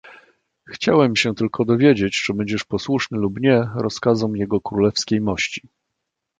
"Chciałem się tylko dowiedzieć, czy będziesz posłuszny lub nie rozkazom Jego królewskiej mości!"